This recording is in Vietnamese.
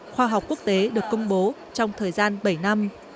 khoa học quốc tế được công bố trong thời gian bảy năm